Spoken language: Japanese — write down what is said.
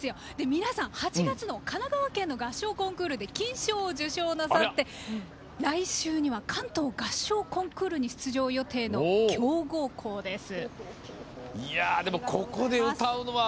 皆さん神奈川県の合唱コンクールで金賞を受賞なさって来週には関東合唱コンクールに出場予定の強豪校です。